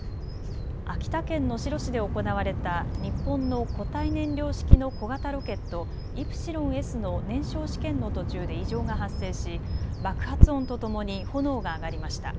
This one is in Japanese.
秋田県能代市で行われた日本の固体燃料式の小型ロケット、イプシロンＳの燃焼試験の途中で異常が発生し爆発音とともに炎が上がりました。